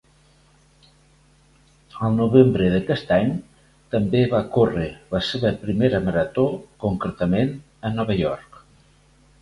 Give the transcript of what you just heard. Al novembre d'aquest any també va córrer la seva primera marató, concretament a Nova York.